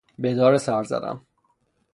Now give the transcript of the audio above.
به اداره سر زدم.